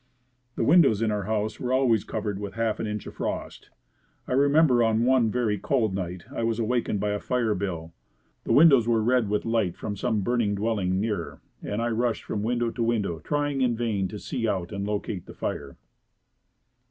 The windows in our house were always covered with half an inch of frost. I remember on one very cold night I was awakened by a fire bell. The windows were red with light from some burning dwelling near and I rushed from window to window trying in vain to see out and locate the fire.